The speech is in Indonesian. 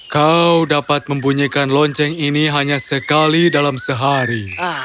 kau dapat membunyikan lonceng ini hanya sekali dalam sehari